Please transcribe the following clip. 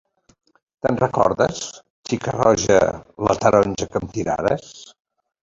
Te’n recordes, xica roja la taronja que em tirares?